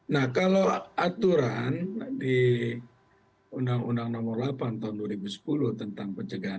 nah kalau aturan di undang undang nomor delapan tahun dua ribu sepuluh tentang pencegahan